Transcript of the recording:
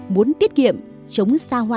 muốn tiết kiệm chống xa hoa